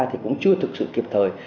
thì cũng chưa thực sự kịp thời